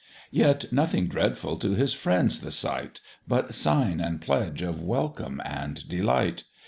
Yet nothing dreadful to his friends the sight, But sign and pledge of welcome and delight.